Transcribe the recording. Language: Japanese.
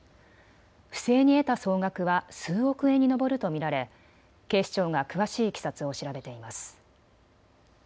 不正に得た総額は数億円に上ると見られ警視庁が詳しいいきさつを調べています。